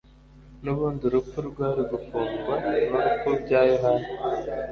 N'ubundi urupfu rwari Gufungwa n'urupfu bya Yohana